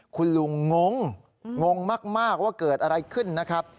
คุณลุงงงงงมากว่าเกิดอะไรขึ้นนะครับ